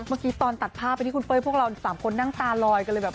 เมื่อกี้ตอนตัดภาพไปที่คุณเป้ยพวกเรา๓คนนั่งตาลอยกันเลยแบบ